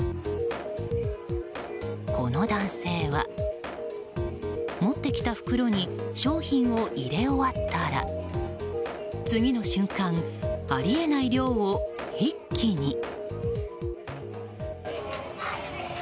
この男性は、持ってきた袋に商品を入れ終わったら次の瞬間あり得ない量を一気に。